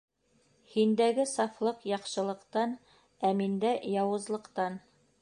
Һиндәге сафлыҡ яҡшылыҡтан, ә миндә яуызлыҡтан.